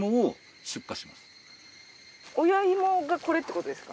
親芋がこれってことですか？